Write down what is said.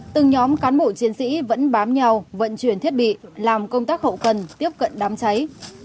từng nhóm cán bộ chiến sĩ vẫn bám nhau vận chuyển thiết bị làm công tác hậu cần tiếp cận đám cháy